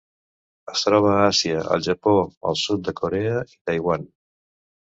Es troba a Àsia: el Japó, el sud de Corea i Taiwan.